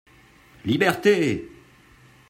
Liberté !